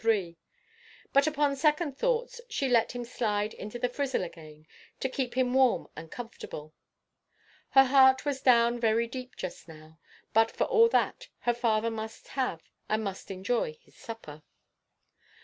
But, upon second thoughts, she let him slide into the frizzle again, to keep him warm and comfortable. Her heart was down very deep just now, but for all that, her father must have and must enjoy his supper.